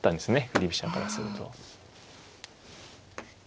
振り飛車からすると。